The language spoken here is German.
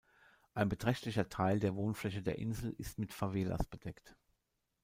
Ein beträchtlicher Teil der Wohnfläche der Insel ist mit Favelas bedeckt.